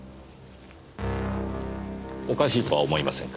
おかしいとは思いませんか？